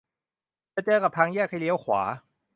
จะเจอกับทางแยกให้เลี้ยวขวา